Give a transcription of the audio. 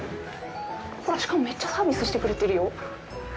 これ、しかも、めっちゃサービスしてくれてるよ！